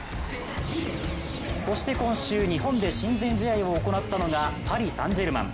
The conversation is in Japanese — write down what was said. そして今週日本で親善試合を行ったのがパリ・サン＝ジェルマン。